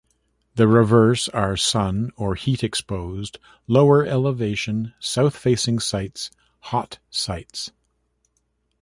The reverse are sun- or heat-exposed, lower-elevation, south-facing sites: "hot sites".